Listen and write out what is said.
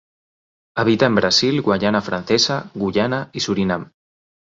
Habita en Brasil, Guayana Francesa, Guyana y Surinam.